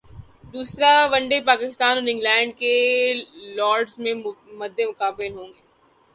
دوسرا one day Pakistan اور England کل لارڈز میں مدمقابل ہونگے